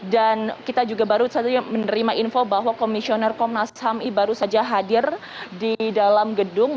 kita juga baru saja menerima info bahwa komisioner komnas ham ini baru saja hadir di dalam gedung